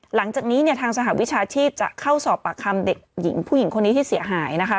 หลังจากนี้เนี่ยทางสหวิชาชีพจะเข้าสอบปากคำเด็กหญิงผู้หญิงคนนี้ที่เสียหายนะคะ